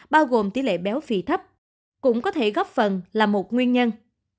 bao gồm tỷ lệ béo phì thấp cũng có thể góp phần là một nguyên nhân